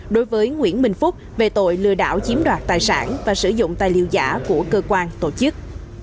đối với nguyễn bình phúc về tội lừa đảo chiếm đoạt tài sản và sử dụng tài liệu giả của cơ quan tổ chức